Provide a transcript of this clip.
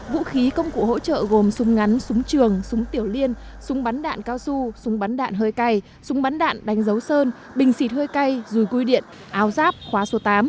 vũ khí công cụ hỗ trợ gồm súng ngắn súng trường súng tiểu liên súng bắn đạn cao su súng bắn đạn hơi cay súng bắn đạn đánh dấu sơn bình xịt hơi cay rùi cui điện áo giáp khóa số tám